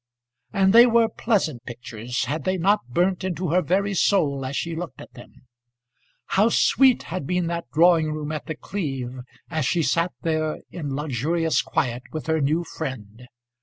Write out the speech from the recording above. And they were pleasant pictures, had they not burnt into her very soul as she looked at them. How sweet had been that drawing room at The Cleeve, as she sat there in luxurious quiet with her new friend!